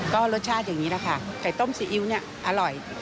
ก็รสชาติอย่างนี้แหละค่ะไก่ต้มซีอิ๊วเนี่ยอร่อย